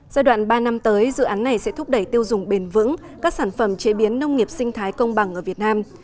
giai đoạn ba năm tới dự án này sẽ thúc đẩy tiêu dùng bền vững các sản phẩm chế biến nông nghiệp sinh thái công bằng ở việt nam